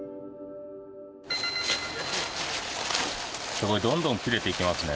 すごい！どんどん切れていきますね。